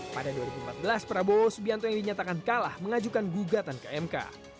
pada dua ribu empat belas prabowo subianto yang dinyatakan kalah mengajukan gugatan ke mk